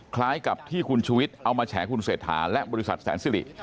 คล้ายกับที่คุณชุวิตเอามาแฉคุณเศรษฐาและบริษัทแสนสิริ